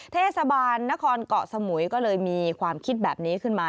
เทศบาลนครเกาะสมุยก็เลยมีความคิดแบบนี้ขึ้นมา